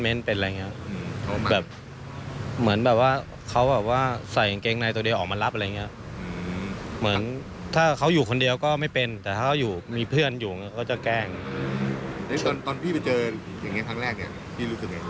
จนตอนพี่ไปเจออย่างนี้ครั้งแรกเนี่ยพี่รู้สึกยังไง